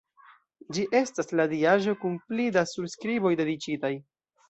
Ĝi estas la diaĵo kun pli da surskriboj dediĉitaj.